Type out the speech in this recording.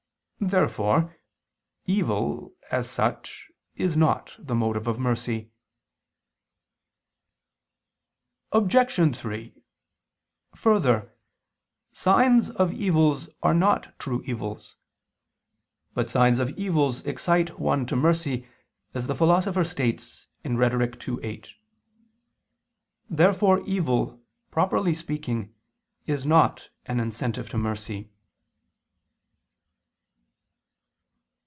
Therefore evil, as such, is not the motive of mercy. Obj. 3: Further, signs of evils are not true evils. But signs of evils excite one to mercy, as the Philosopher states (Rhet. ii, 8). Therefore evil, properly speaking, is not an incentive to mercy.